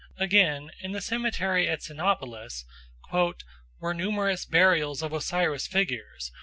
Again, in the cemetery at Cynopolis "were numerous burials of Osiris figures.